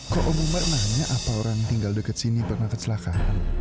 kok ombu mbak nanya apa orang tinggal dekat sini pernah kecelakaan